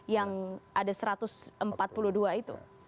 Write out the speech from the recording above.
yang ada satu ratus empat puluh dua itu